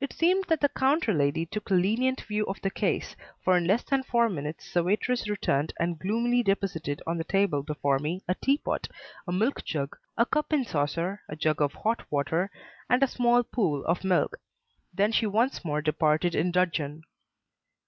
It seemed that the counter lady took a lenient view of the case, for in less than four minutes the waitress returned and gloomily deposited on the table before me a tea pot, a milk jug, a cup and saucer, a jug of hot water, and a small pool of milk. Then she once more departed in dudgeon.